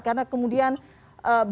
karena kemudian banyak yang mencari